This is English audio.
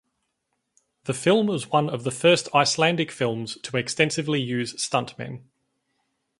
The film was one of the first Icelandic films to extensively use stunt men.